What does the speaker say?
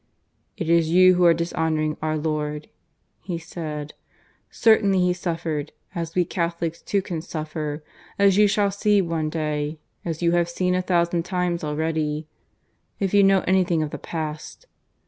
"It is you who are dishonouring our Lord," he said. "Certainly He suffered, as we Catholics too can suffer, as you shall see one day as you have seen a thousand times already, if you know anything of the past.